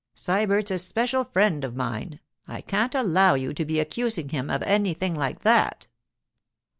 Sybert's a special friend of mine. I can't allow you to be accusing him of anything like that.